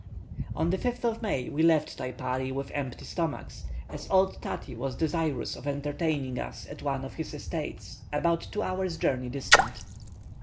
On the 5th of May, we left Taipari with empty stomachs, as old Tati was desirous of entertaining us at one of his estates about two hours' journey distant.